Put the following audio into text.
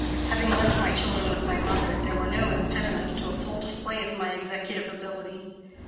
Having left my children with my mother, there were no impediments to a full display of my executive ability.